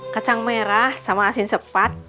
kacang merah sama asin sepat